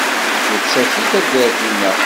Netta seg taddart-nneɣ.